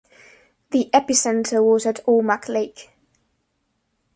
The epicenter was at Omak Lake.